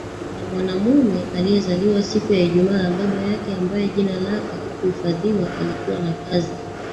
la mwanamume aliyezaliwa siku ya IjumaaBaba yake ambaye jina lake halikuhifadhiwa alikuwa na kazi